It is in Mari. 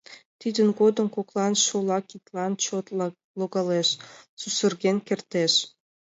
Тидын годым коклан шола кидлан чот логалеш, сусырген кертеш.